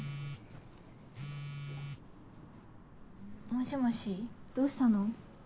もしもしどうしたの？